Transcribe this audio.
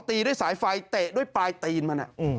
ตีด้วยสายไฟเตะด้วยปลายตีนมัน